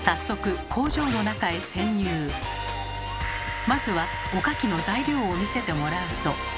早速まずはおかきの材料を見せてもらうと。